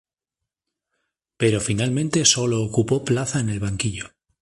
Pero finalmente sólo ocupó plaza en el banquillo.